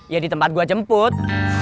ya di tempat gue jemput